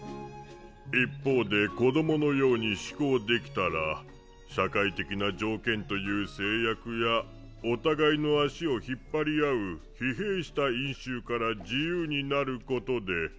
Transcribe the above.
一方で子どものように思考できたら社会的な条件という制約やお互いの足を引っ張り合う疲弊した因習から自由になることで。